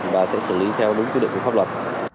và sẽ xử lý theo đúng quy định của pháp luật